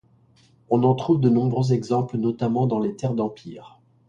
On en trouve de nombreux exemples notamment dans les terres d'Empire.